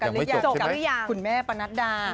ยังไม่จบใช่ไหมจบหรือยังคุณแม่ประนัดดา